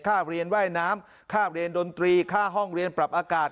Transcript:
เรียนว่ายน้ำค่าเรียนดนตรีค่าห้องเรียนปรับอากาศ